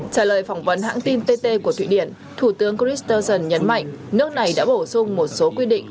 trả lời phỏng vấn hãng tin tt của thụy điển thủ tướng christensen nhấn mạnh nước này đã bổ sung một số quy định